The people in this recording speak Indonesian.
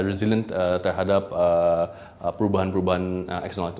dan resilient terhadap perubahan perubahan lain